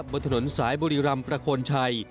บนถนนสายบุรีรำประโคนชัย